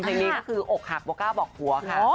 เพลงนี้ก็คืออกหักโบก้าบอกผัวค่ะ